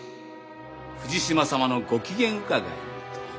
富士島様のご機嫌伺いにと。